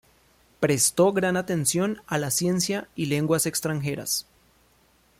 Prestó gran atención a la ciencia y lenguas extranjeras.